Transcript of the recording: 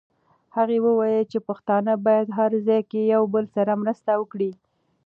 هغې وویل چې پښتانه باید هر ځای کې یو بل سره مرسته وکړي.